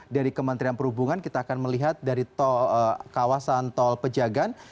dari kementerian perhubungan kita akan melihat dari kawasan tol pejagan